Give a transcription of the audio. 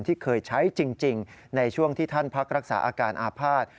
ที่เคยใช้จริงในช่วงที่ท่านพักรักษาอาการอาภาษณ์